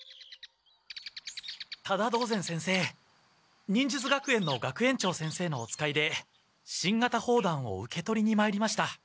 多田堂禅先生忍術学園の学園長先生のお使いで新型砲弾を受け取りにまいりました。